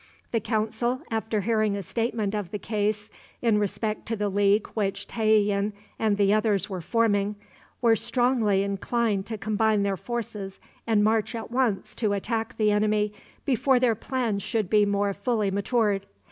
The council, after hearing a statement of the case in respect to the league which Tayian and the others were forming, were strongly inclined to combine their forces and march at once to attack the enemy before their plans should be more fully matured.